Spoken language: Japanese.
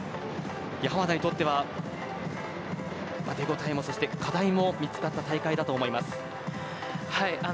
濱田にとっては手応えもそして課題も見つかった大会だと思います